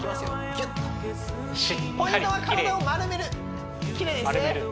ぎゅっとポイントは体を丸めるきれいですね